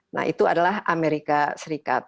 nah itu adalah amerika serikat